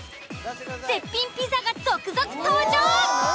絶品ピザが続々登場。